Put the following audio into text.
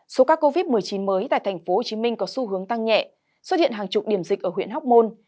số ca covid một mươi chín mới tại tp hcm có xu hướng tăng nhẹ xuất hiện hàng chục điểm dịch ở huyện hóc môn